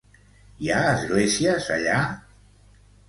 Hi ha esglésies allà?